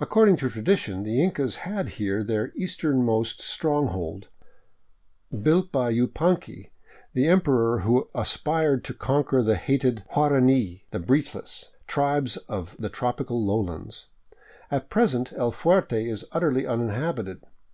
According to tradition the Incas had here their easternmost stronghold, built by Yupanqui, the emperor who aspired to conquer the hated huara ni, the " breechless " tribes of the tropical lowlands. At present " ELFuerte " is utterly uninhabited.